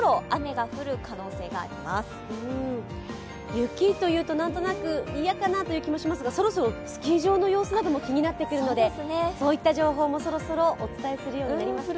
雪というとなんとなく嫌かなという気がしますけれどもそろそろスキー場の様子なども気になってくるのでそういった情報もそろそろお伝えするようになりますか？